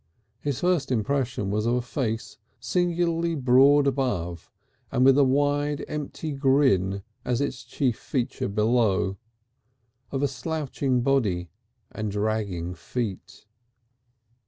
His first impression was of a face singularly broad above and with a wide empty grin as its chief feature below, of a slouching body and dragging feet.